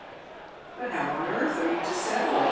* But how on earth are you to settle it